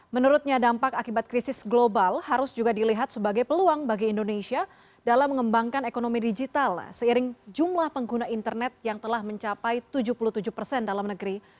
menurutnya dampak akibat krisis global harus juga dilihat sebagai peluang bagi indonesia dalam mengembangkan ekonomi digital seiring jumlah pengguna internet yang telah mencapai tujuh puluh tujuh persen dalam negeri